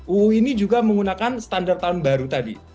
uu ini juga menggunakan standar tahun baru tadi